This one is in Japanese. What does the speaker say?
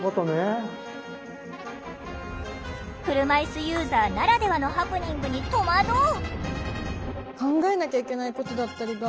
車いすユーザーならではのハプニングに戸惑う。